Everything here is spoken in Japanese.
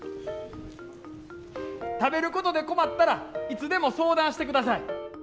食べることで困ったらいつでも相談してください。